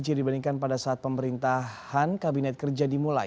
jika dibandingkan pada saat pemerintahan kabinet kerja dimulai